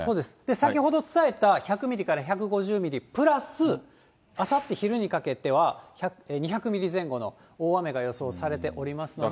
先ほど伝えた１００ミリから１５０ミリプラス、あさって昼にかけては２００ミリ前後の大雨が予想されておりますので。